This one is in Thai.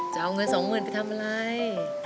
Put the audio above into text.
จะเอาเงินสองหมื่นไปทำอะไร